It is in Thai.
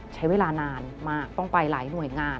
ใช้เวลานานมากต้องไปหลายหน่วยงาน